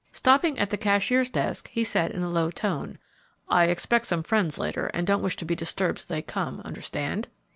Stopping at the cashier's desk, he said in a low tone, "I expect some friends later, and don't wish to be disturbed till they come; understand?"